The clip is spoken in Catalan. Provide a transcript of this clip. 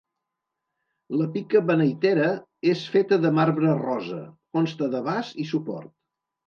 La pica beneitera és feta de marbre rosa, consta de vas i suport.